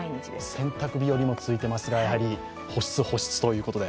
洗濯日和も続いていますが、保湿保湿ということで。